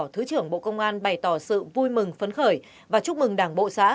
thứ trưởng bộ công an bày tỏ sự vui mừng phấn khởi và chúc mừng đảng bộ xã